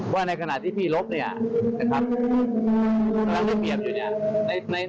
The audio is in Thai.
ว่าในขณะที่พี่ลบเนี่ยนะครับกำลังที่เปรียบอยู่เนี่ย